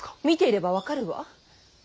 見ていれば分かるわ。